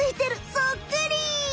そっくり！